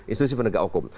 institusi penegak hukum